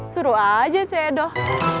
suruh aja cedoh